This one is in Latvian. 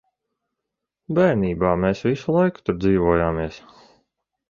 Bērnībā mēs visu laiku tur dzīvojāmies.